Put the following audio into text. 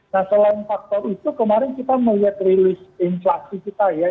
nah selain faktor itu kemarin kita melihat rilis inflasi kita ya